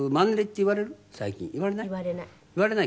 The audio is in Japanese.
言われない。